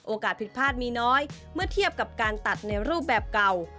ผิดพลาดมีน้อยเมื่อเทียบกับการตัดในรูปแบบเก่า